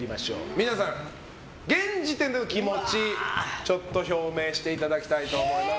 皆さん、現時点での気持ちをちょっと表明していただきたいと思います。